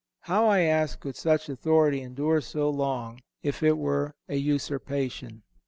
How, I ask, could such authority endure so long if it were a usurpation?